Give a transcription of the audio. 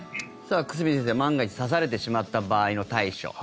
久住先生、万が一刺されてしまった場合の対処。